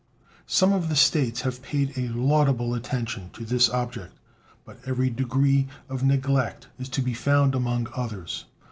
Some of the States have paid a laudable attention to this object, but every degree of neglect is to be found among others.